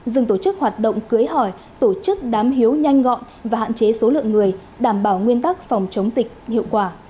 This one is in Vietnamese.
dừng tổ chức hoạt động cưới hỏi tổ chức đám hiếu nhanh gọn và hạn chế số lượng người đảm bảo nguyên tắc phòng chống dịch hiệu quả